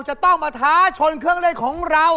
จะต้องมาท้าชนเครื่องเล่นของเรา